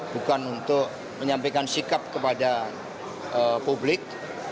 bukan untuk menyampaikan sikap kepada publik